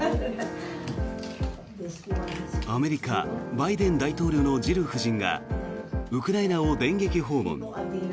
アメリカ、バイデン大統領のジル夫人がウクライナを電撃訪問。